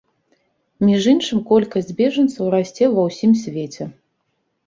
Між іншым, колькасць бежанцаў расце ва ўсім свеце.